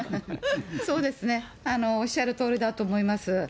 そうですね、おっしゃるとおりだと思います。